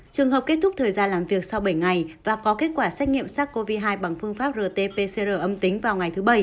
trường hợp kết thúc thời gian làm việc sau bảy ngày và có kết quả xét nghiệm sars cov hai bằng phương pháp rt pcr âm tính vào ngày thứ bảy